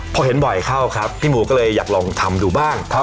พอเห็นบ่อยเข้าครับพี่หมูก็เลยอยากลองทำดูบ้าง